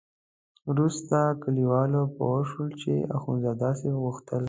وروسته کلیوال پوه شول چې اخندزاده صاحب غوښتل.